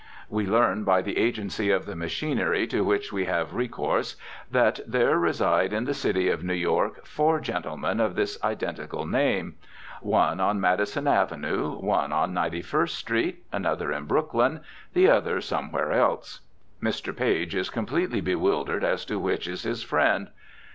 We learn by the agency of the machinery to which we have recourse that there reside in the City of New York four gentlemen of this identical name: one on Madison Avenue, one on Ninety first Street, another in Brooklyn, the other somewhere else. Mr. Page is completely bewildered as to which is his friend.